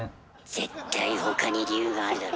絶対他に理由があるだろ。